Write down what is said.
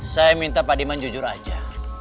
saya minta pak diman jujur aja